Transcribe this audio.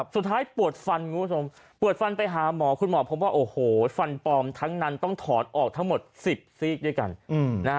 สุดท้ายปวดฟันปวดฟันไปหาหมอคุณหมอพบว่าโอ้โหฟันปลอมทั้งนั้นต้องถอดออกทั้งหมด๑๐ซีกด้วยกัน